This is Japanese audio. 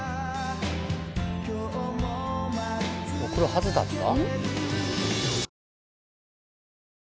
送るはずだった？